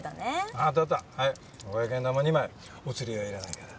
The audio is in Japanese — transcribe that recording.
あったあったはい五百円玉２枚お釣りはいらないから。